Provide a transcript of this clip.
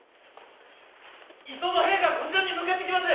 伊東の兵がこちらに向かってきます！